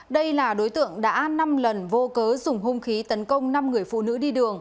đây là đối tượng đã năm lần vô cớ dùng hung khí tấn công năm người phụ nữ đi đường